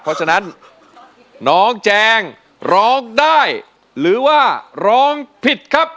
เพราะฉะนั้นน้องแจงร้องได้หรือว่าร้องผิดครับ